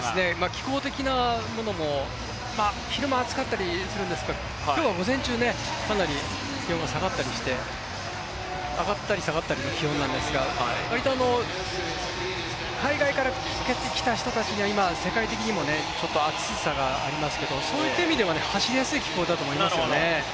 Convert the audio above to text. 気候的なものも昼間暑かったりするんですが、今日は午前中、かなり気温が下がったりして、上がったり下がったりの気温なんですが割と海外から来た人たちには、今、世界的にもちょっと暑さがありますが、そういった意味では走りやすい気候だと思いますよね。